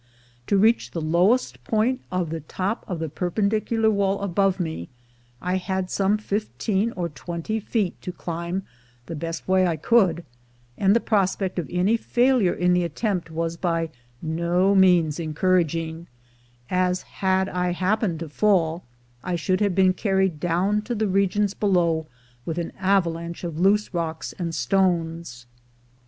To reach the lowest point of the top of the perpendicular wall above me, I had some fifteen or twenty feet to climb the best way I could, and the prospect of any failure in the attempt was by no means encouraging, as, had I happened to fall, I should have been carried down to the regions below with an avalanche of loose rocks and stones.